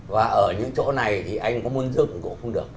và ở những chỗ này thì anh có môn dựng cũng không được